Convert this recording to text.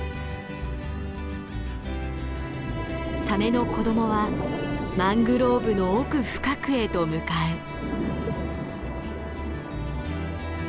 サメの子供はマングローブの奥深くへと向かう。